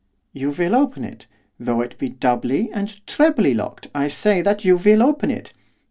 'You will open it, though it be doubly and trebly locked, I say that you will open it.